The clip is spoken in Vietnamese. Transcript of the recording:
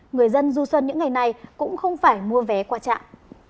người dân du xuân những ngày này cũng không phải mua vé qua trạm